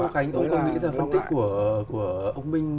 ông có nghĩ rằng phân tích của ông minh